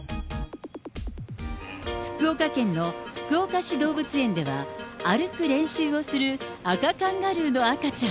福岡県の福岡市動物園では、歩く練習をするアカカンガルーの赤ちゃん。